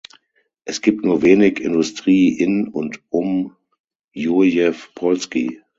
Es gibt nur wenig Industrie in und um Jurjew-Polski.